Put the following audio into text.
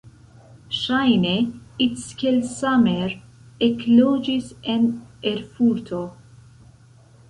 Ŝajne Ickelsamer ekloĝis en Erfurto.